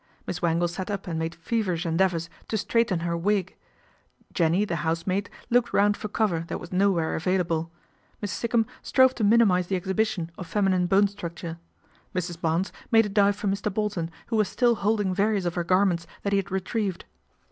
Miss Bangle sat up and made feverish endeavours to straighten her wig Jenny, the housemaid, looked round for cover that was nowhere available. The :ook became aware of her lack of clothing. Miss >ikkum strove to minimise the exhibition of leminine bone structure. Mrs. Barnes made a live for Mr. Bolton, who was still holding various >f her garments that he had retrieved.